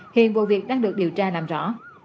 hiện vụ việc đang được điều tra làm rõ